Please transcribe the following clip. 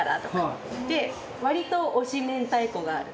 割と推し明太子がある。